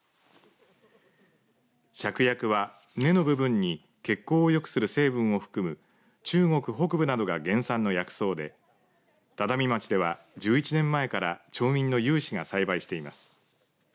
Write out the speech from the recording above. シャクヤクは根の部分に血行を良くする成分を含む中国北部などが原産の薬草で只見町では１１年前から町民の有志が栽培しています。